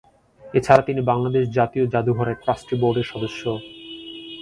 এছাড়া তিনি বাংলাদেশ জাতীয় জাদুঘরের ট্রাস্টি বোর্ডের সদস্য।